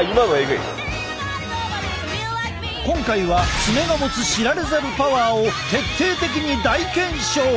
今回は爪の持つ知られざるパワーを徹底的に大検証！